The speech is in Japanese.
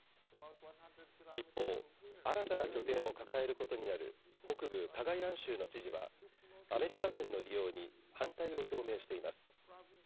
一方、新たな拠点を抱えることになる北部カガヤン州の知事はアメリカ軍の利用に反対を表明しています。